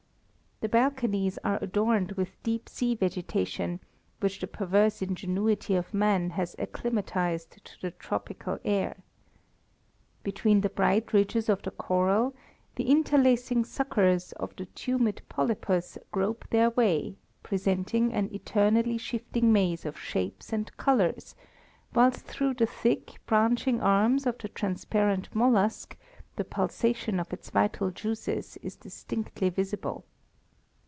The balconies are adorned with deep sea vegetation, which the perverse ingenuity of man has acclimatized to the tropical air. Between the bright ridges of the coral the interlacing suckers of the tumid polypus grope their way, presenting an eternally shifting maze of shapes and colours, whilst through the thick, branching arms of the transparent mollusc the pulsation of its vital juices is distinctly visible.